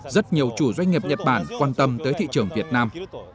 rất nhiều chủ doanh nghiệp nhật bản quan tâm tới thị trường việt nam